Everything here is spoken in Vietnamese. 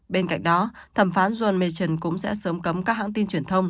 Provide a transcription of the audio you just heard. bên cạnh đó thẩm phán john men cũng sẽ sớm cấm các hãng tin truyền thông